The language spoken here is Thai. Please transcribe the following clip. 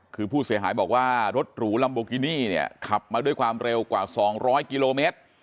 คือผู้เสียหายบอกว่ารถหรูลัมโบกินี่เนี่ยขับมาด้วยความเร็วกว่า๒๐๐กิโลเมตร